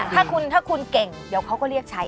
ถ้าคุณเก่งเดี๋ยวเขาก็เรียกใช้